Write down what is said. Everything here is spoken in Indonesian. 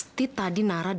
itu itu pun mah senaman teract